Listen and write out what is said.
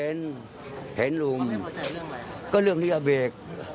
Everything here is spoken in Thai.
ก็เห็นเห็นลุงก็ไม่เข้าใจเรื่องอะไรก็เรื่องที่เอาเบรก